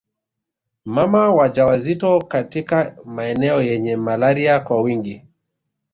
Mama wajawazito katika maeneo yenye malaria kwa wingi